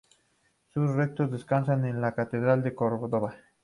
Sus restos descansan en la catedral de Córdoba.